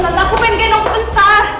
tante tante tante aku mau dengok sebentar